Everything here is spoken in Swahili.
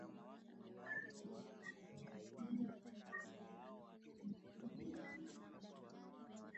Nitaweka sheria ya kuua mafisadi wote